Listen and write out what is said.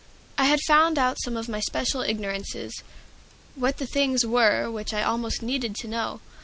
I had found out some of my special ignorances, what the things were which I most needed to know.